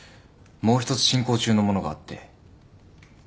もうひとつ進行中のものがあって。